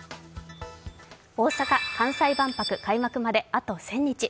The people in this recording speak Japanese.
大阪・関西万博開幕まであと１０００日。